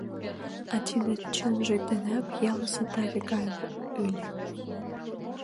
А тиде чынже денак ялысе таве гай ыле.